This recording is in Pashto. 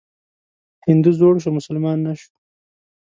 هندو زوړ شو مسلمان نه شو.